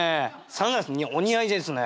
サングラスお似合いですね。